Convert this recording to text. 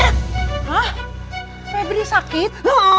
hah febri sakit